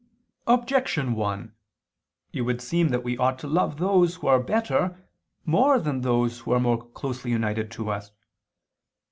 Objection 1: It would seem that we ought to love those who are better more than those who are more closely united to us.